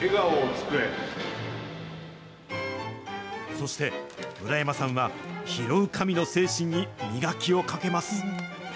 そして、村山さんは拾う神の精神に磨きをかけます。